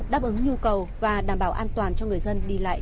đáp ứng nhu cầu và đảm bảo an toàn cho người dân đi lại